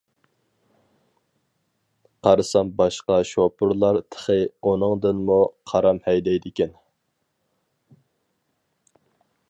قارىسام باشقا شوپۇرلار تېخى ئۇنىڭدىنمۇ قارام ھەيدەيدىكەن.